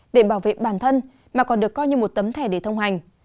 để bảo vệ bản thân mà còn được coi như một tấm thẻ để thông hành